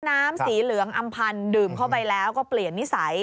น้ำสีเหลืองอำพันธ์ดื่มเข้าไปแล้วก็เปลี่ยนนิสัย